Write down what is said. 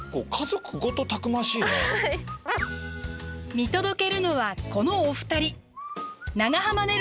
見届けるのはこのお二人。